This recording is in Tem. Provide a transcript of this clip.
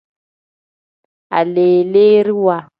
Aleleeriwa.